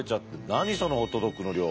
何そのホットドッグの量。